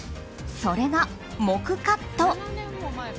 それが、黙カット。